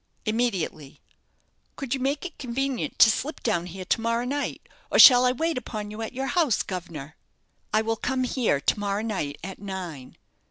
"Immediately." "Could you make it convenient to slip down here to morrow night, or shall I wait upon you at your house, guv'nor?" "I will come here to morrow night, at nine."